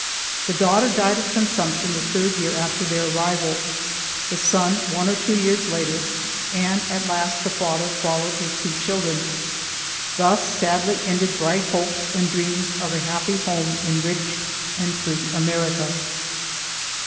The daughter died of consumption the third year after their arrival, the son one or two years later, and at last the father followed his two children. Thus sadly ended bright hopes and dreams of a happy home in rich and free America.